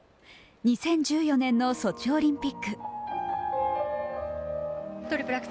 ２０１４年のソチオリンピック。